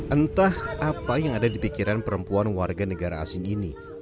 entah apa yang ada di pikiran perempuan warga negara asing ini